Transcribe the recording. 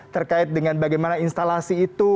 terkait dengan bagaimana instalasi itu